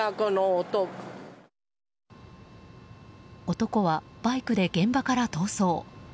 男はバイクで現場から逃走。